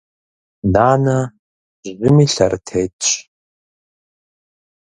Нанэ жьыми, лъэрытетщ.